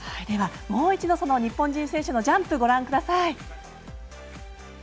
では、もう一度日本人選手をご覧ください。